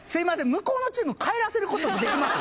向こうのチーム帰らせることってできます？